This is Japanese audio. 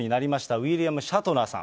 ウィリアム・シャトナーさん。